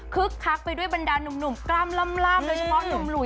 คักไปด้วยบรรดาหนุ่มกล้ามล่ำโดยเฉพาะหนุ่มหลุย